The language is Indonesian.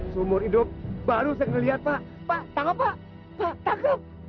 semur hidup baru saya lihat pak pak tangkap pak pak tangkap